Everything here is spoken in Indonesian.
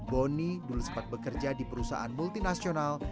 boni dulu sempat bekerja di perusahaan multinasional